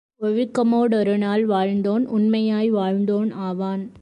ஒழுக்கமோ டொருநாள் வாழ்ந்தோன் உண்மையாய் வாழ்ந்தோன் ஆவான்.